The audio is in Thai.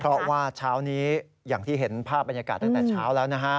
เพราะว่าเช้านี้อย่างที่เห็นภาพบรรยากาศตั้งแต่เช้าแล้วนะฮะ